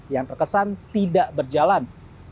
yang terkesan tidak berjalan